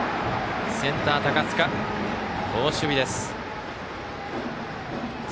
センター、高塚好守備です。